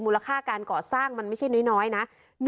ลค่าการก่อสร้างมันไม่ใช่น้อยนะ